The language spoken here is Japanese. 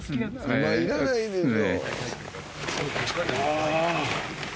「今いらないでしょ」